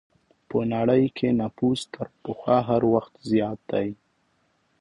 په نړۍ کې نفوس تر پخوا هر وخت زیات دی.